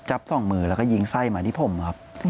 สองมือแล้วก็ยิงไส้มาที่ผมครับ